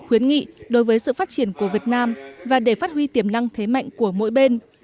khuyến nghị đối với sự phát triển của việt nam và để phát huy tiềm năng thế mạnh của mỗi bên